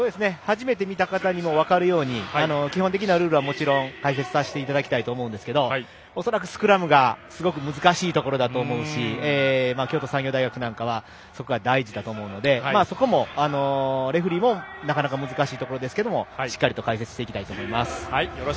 初めて見た方にも分かるように、基本的なルールを解説させていただきたいと思いますが恐らくスクラムがすごく難しいところだと思うし京都産業大学なんかはそこは大事だと思うのでレフリーもなかなか難しいところですがしっかり解説していきたいと思います。